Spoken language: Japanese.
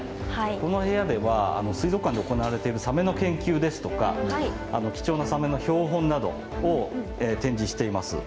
この部屋では水族館で行われているサメの研究ですとか貴重なサメの標本などを展示しています。